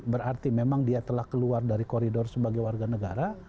berarti memang dia telah keluar dari koridor sebagai warga negara